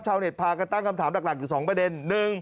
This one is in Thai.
ชาวเน็ตพากันตั้งคำถามหลักอยู่๒ประเด็น